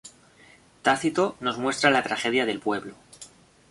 Tácito nos muestra la tragedia del pueblo.